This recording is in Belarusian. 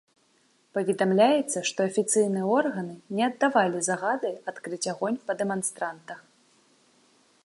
Паведамляецца, што афіцыйныя органы не аддавалі загады адкрыць агонь па дэманстрантах.